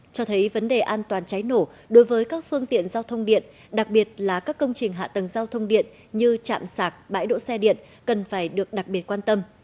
cho thấy vấn đề an toàn cháy nổ đối với các phương tiện giao thông điện đặc biệt là các công trình hạ tầng giao thông điện như chạm sạc bãi đỗ xe điện cần phải được đặc biệt quan tâm